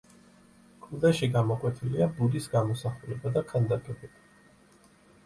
კლდეში გამოკვეთილია ბუდის გამოსახულება და ქანდაკებები.